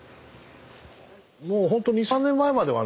もう本当２３年前まではね